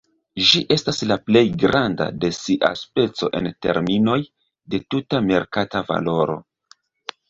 Ĝi estas la plej granda de sia speco en terminoj de tuta merkata valoro.